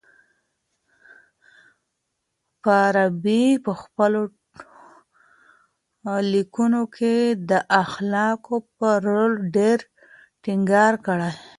فارابي په خپلو ليکنو کي د اخلاقو پر رول ډېر ټينګار کړی.